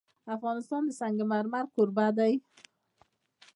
افغانستان د سنگ مرمر کوربه دی.